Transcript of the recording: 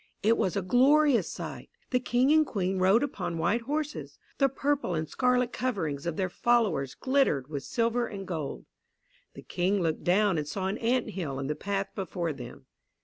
It was a glorious sight. The King and Queen rode upon white horses. The purple and scarlet coverings of their followers glittered with silver and gold. The King looked down and saw an ant hill in the path before them.